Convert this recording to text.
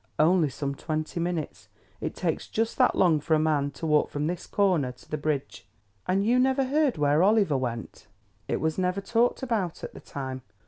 "Only some twenty minutes. It takes just that long for a man to walk from this corner to the bridge." "And you never heard where Oliver went?" "It was never talked about at the time.